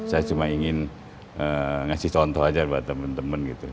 saya cuma ingin ngasih contoh aja buat teman teman gitu